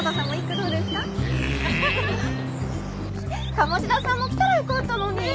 鴨志田さんも来たらよかったのに。